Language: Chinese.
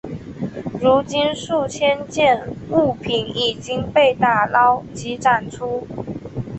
如今数千件物品已经被打捞及展出。